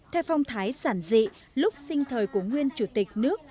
theo phong thái sản dị lúc sinh thời của nguyên chủ tịch nước